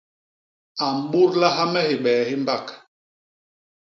A mbudlaha me hibee hi mbak.